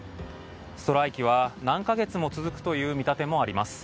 ストライキは何か月も続くという見立てもあります。